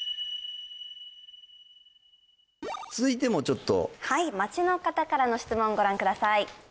続いてもちょっとはい街の方からの質問ご覧ください